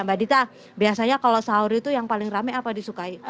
mbak dita biasanya kalau sahur itu yang paling rame apa disukai